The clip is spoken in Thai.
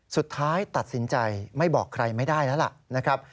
สุดท้ายตัดสินใจไม่บอกใครไม่ได้แล้ว